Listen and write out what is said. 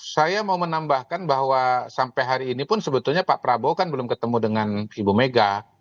saya mau menambahkan bahwa sampai hari ini pun sebetulnya pak prabowo kan belum ketemu dengan ibu mega